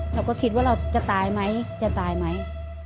เราก็คิดว่าเราจะตายไหมจะตายไหม